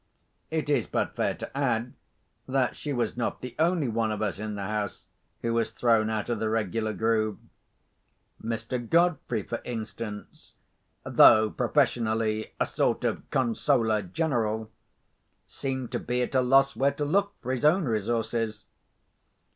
It is but fair to add that she was not the only one of us in the house who was thrown out of the regular groove. Mr. Godfrey, for instance—though professionally a sort of consoler general—seemed to be at a loss where to look for his own resources.